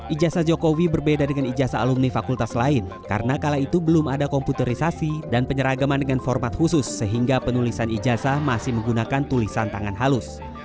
ijazah jokowi berbeda dengan ijazah alumni fakultas lain karena kala itu belum ada komputerisasi dan penyeragaman dengan format khusus sehingga penulisan ijazah masih menggunakan tulisan tangan halus